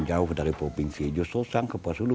jauh dari provinsi justru saya ke kepua sulu